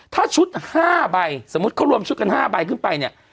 ถ้าชุด๕ใบสมมุติเขารวมชุดกัน๕ใบขึ้นไปเนี่ย